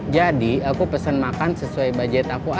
jadi aku pesen makan sesuai budget aku